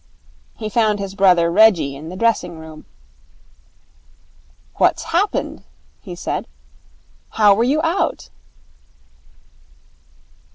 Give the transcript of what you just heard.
He found his brother Reggie in the dressing room. 'What's happened?' he said. 'How were you out?'